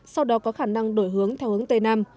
sau đó có khả năng đổi hướng theo hướng tây nam